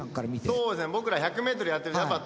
僕ら１００ｍやってると。